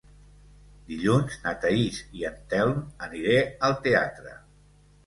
Dilluns na Thaís i en Telm aniré al teatre.